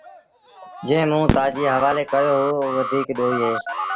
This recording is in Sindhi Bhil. جنٚهنٚ موٚنٚ کي تآجي هوآلي ڪيو اهي اوٚ وڌيٚڪ ڏوهيٚ اهي۔